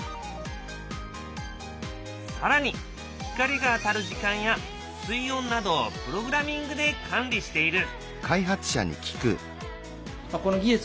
更に光が当たる時間や水温などをプログラミングで管理している。